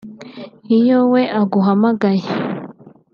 Iyo we aguhamagaye